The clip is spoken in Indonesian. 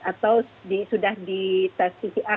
atau sudah di test ctr